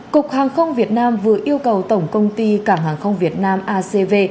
cục hàng không việt nam vừa yêu cầu tổng công ty cảng hàng không việt nam acv